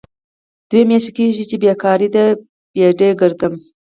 دوه میاشې کېږي بې کاره ډۍ په ډۍ کرځم.